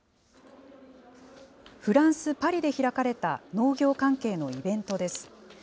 フランス・パリで開かれた農業関係のイベントです。